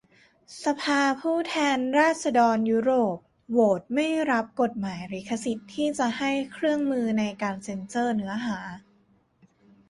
สภาผู้แทนราษฏรยุโรป โหวตไม่รับกฎหมายลิขสิทธิ์ที่จะให้เครื่องมือในการเซ็นเซอร์เนื้อหา